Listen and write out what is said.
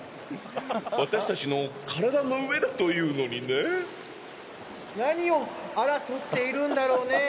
私達の体の上だというのにね何を争っているんだろうね